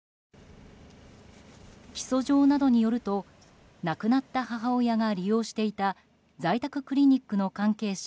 起訴状などによると亡くなった母親が利用していた在宅クリニックの関係者